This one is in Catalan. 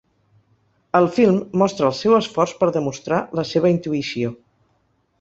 El film mostra el seu esforç per demostrar la seva intuïció.